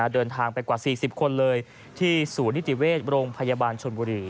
เดินทางไปกว่า๔๐คนเลยที่ศูนย์นิติเวชโรงพยาบาลชนบุรี